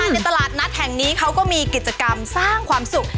ในตลาดนัดแห่งนี้เขาก็มีกิจกรรมสร้างความสุข